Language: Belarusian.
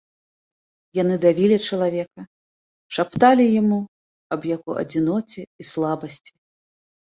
Яны давілі чалавека, шапталі яму аб яго адзіноце і слабасці.